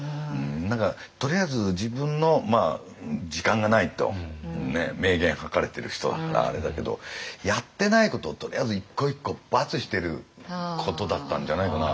何かとりあえず自分の時間がないと明言書かれてる人だからあれだけどやってないことをとりあえず一個一個バツしてることだったんじゃないかな。